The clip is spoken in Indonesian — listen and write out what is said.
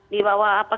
di bawah apa